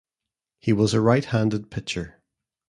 He was a right-handed pitcher.